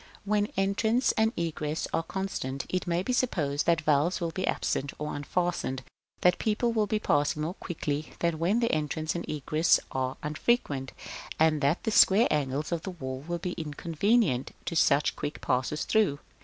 [Illustration: Fig. XLIII.] § IV. When entrance and egress are constant, it may be supposed that the valves will be absent or unfastened, that people will be passing more quickly than when the entrance and egress are unfrequent, and that the square angles of the wall will be inconvenient to such quick passers through.